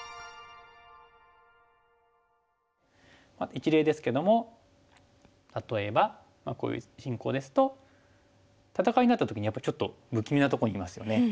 一例ですけども例えばこういう進行ですと戦いになった時にやっぱりちょっと不気味なとこにいますよね。